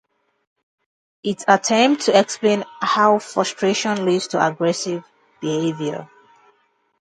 It attempts to explain how frustration leads to aggressive behavior.